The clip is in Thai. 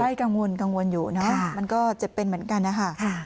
ใช่กังวลอยู่มันก็จะเป็นเหมือนกันนะคะ